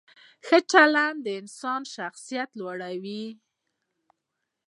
ښه چلند د انسان شخصیت لوړوي.